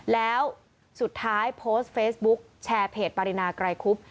แล้วสุดท้ายโพสต์เฟซบุ๊กแชร์เพจปรินาไกรคุบ